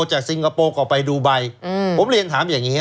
สิงคโปร์ก็ไปดูไบผมเรียนถามอย่างนี้